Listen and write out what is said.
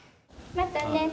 またね。